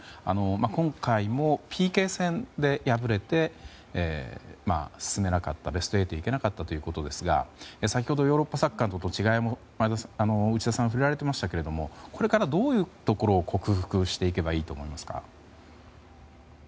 今回もＰＫ戦で敗れて進めなかったベスト８に行けなかったということですが先ほどヨーロッパサッカーとの違いにも内田さんは触れられていましたけどこれからどういうところを克服していけばいいと思いますか？